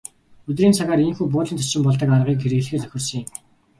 Өдрийн цагаар ийнхүү буудлын зочин болдог аргыг хэрэглэхээр тохирсон юм.